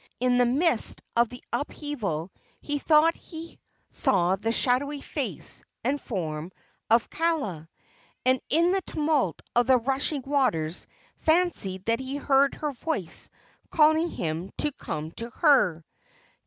In the mist of the upheaval he thought he saw the shadowy face and form of Kaala, and in the tumult of the rushing waters fancied that he heard her voice calling him to come to her.